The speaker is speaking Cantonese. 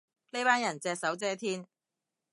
呢班人隻手遮天